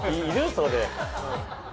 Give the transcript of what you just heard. それ。